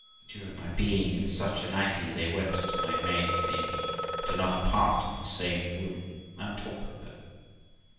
During my being in such an agony, they went to my maid Amy at THE LIFE OF ROXANA 2O3 another part of the same room and talked with her.